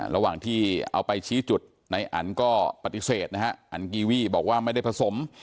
ระหว่างที่เอาไปชี้จุดในอันก็ปฏิเสธนะฮะอันกีวี่บอกว่าไม่ได้ผสม